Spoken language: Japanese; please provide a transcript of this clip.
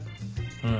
うん。